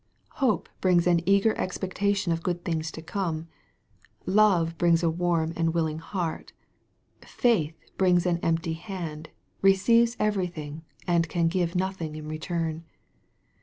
Hope brings an eager expectation of good things to come. Love brings a warm and willing heart. Faith brings an empty hand, receives everything, and can give nothing in return.